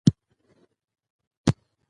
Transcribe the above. د هنر مانا او محتوا د وخت سره تغیر کړی دئ.